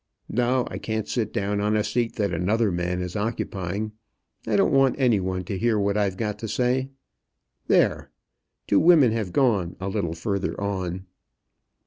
No, I can't sit down on a seat that another man is occupying. I don't want any one to hear what I've got to say. There! Two women have gone a little farther on."